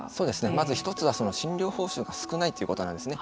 まず１つは診療報酬が少ないということなんですね。